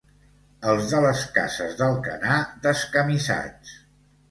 Els de les Cases d'Alcanar, descamisats.